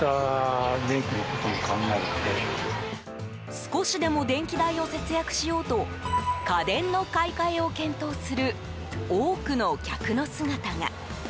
少しでも電気代を節約しようと家電の買い替えを検討する多くの客の姿が。